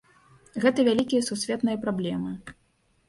Гэта вялікія сусветныя праблемы.